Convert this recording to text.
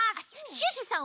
シュッシュさん